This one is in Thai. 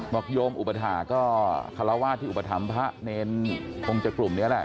โยมอุปถาก็คาราวาสที่อุปถัมภ์พระเนรคงจะกลุ่มนี้แหละ